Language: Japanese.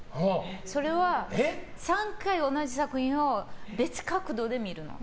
それは３回、同じ作品を別角度で見るの。